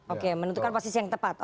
oke menentukan posisi yang tepat